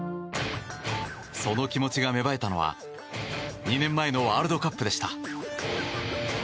その気持ちが芽生えたのは２年前のワールドカップでした。